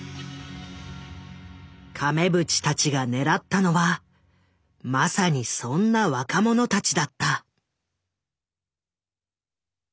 亀渕たちがねらったのはまさにそんな若者たちだった。